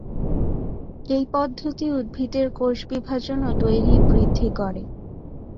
এই পদ্ধতি উদ্ভিদের কোষ বিভাজন ও দৈহিক বৃদ্ধি করে।